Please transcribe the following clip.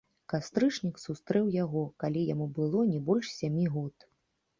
Кастрычнік сустрэў яго, калі яму было не больш сямі год.